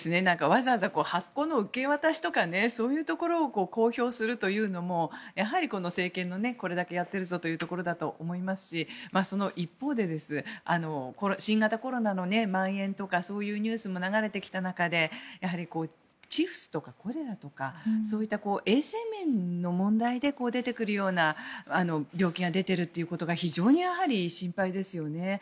わざわざ箱の受け渡しとかそういうところを公表するというのもやはりこの政権のこれだけやっているぞというところだと思いますしその一方で新型コロナのまん延とかそういうニュースも流れてきた中でチフスとかコレラとかそういった衛生面の問題で出てくるような病気が出ているということが非常にやはり心配ですよね。